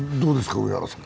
上原さん